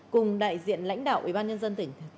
cùng đại diện lãnh đạo ủy ban nhân dân tỉnh